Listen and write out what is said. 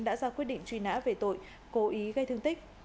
đã ra quyết định truy nã về tội cố ý gây thương tích